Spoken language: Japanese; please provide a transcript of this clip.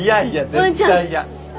絶対嫌！